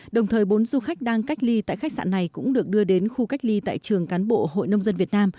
đồng thời bốn du khách đang cách ly tại khách sạn này cũng được đưa đến khu cách ly tại trường cán bộ hội nông dân việt nam